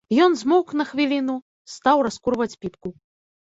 Ён змоўк на хвіліну, стаў раскурваць піпку.